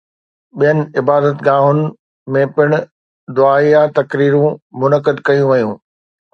ٻين عبادتگاهن ۾ پڻ دعائيه تقريبون منعقد ڪيون ويون